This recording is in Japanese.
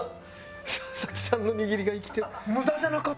佐々木さんの握りが生きてる。